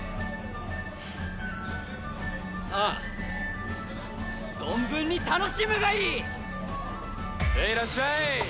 さあ存分に楽しむがいい！へいらっしゃい！